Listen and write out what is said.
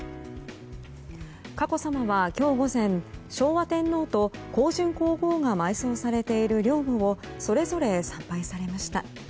佳子さまは今日午前昭和天皇と香淳皇后が埋葬されている陵墓をそれぞれ参拝されました。